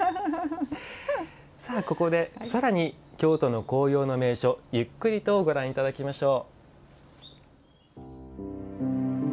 ここでさらに京都の紅葉の名所をゆっくりとご覧いただきましょう。